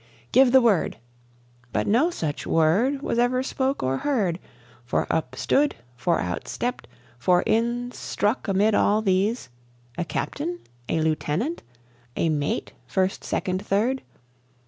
"Give the word!" But no such word Was ever spoke or heard; For up stood, for out stepped, for in struck amid all these A captain? A lieutenant? A mate first, second, third?